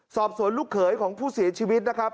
สอบสวนลูกเขยของผู้เสียชีวิตนะครับ